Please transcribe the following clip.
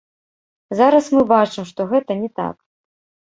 Зараз мы бачым, што гэта не так.